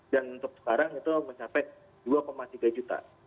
dan untuk sekarang itu mencapai rp dua tiga juta